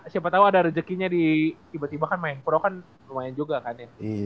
siapa tahu ada rezekinya di tiba tiba kan main pro kan lumayan juga kan ya